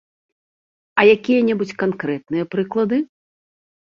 А якія-небудзь канкрэтныя прыклады?